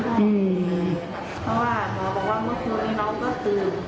เพราะว่าหมอบอกว่าเมื่อคืนนี้น้องก็ตื่น